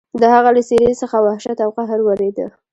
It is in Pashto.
د هغه له څېرې څخه وحشت او قهر ورېده.